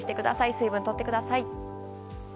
水分とってください。